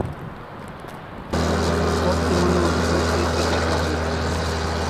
বর্তমানে এর অধিকাংশই কেটে ফেলা হয়েছে।